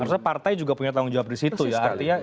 artinya partai juga punya tanggung jawab disitu ya